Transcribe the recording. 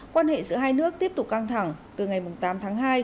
quan hệ giữa hai nước tiếp tục căng thẳng từ ngày tám tháng hai